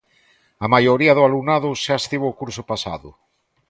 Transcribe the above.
A maioría do alumnado xa estivo o curso pasado.